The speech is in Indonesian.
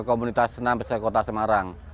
komunitas senam besar kota semarang